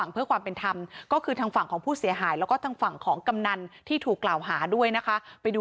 นี่เป็นลักษณะด้วยจากของเขาไม่อยู่ด้วยนี่